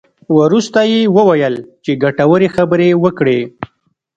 وروسته یې وویل چې ګټورې خبرې وکړې.